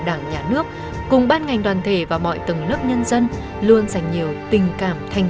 đảng nhà nước cùng ban ngành đoàn thể và mọi tầng lớp nhân dân luôn dành nhiều tình cảm thanh